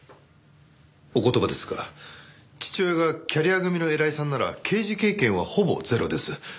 お言葉ですが父親がキャリア組の偉いさんなら刑事経験はほぼゼロです。